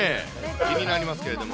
気になりますけれども。